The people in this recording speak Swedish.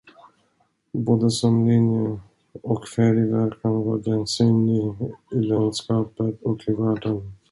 Både som linje och färgverkan var denna syn ny i landskapet och i världen.